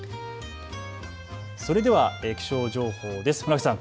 それでは気象情報です、船木さん。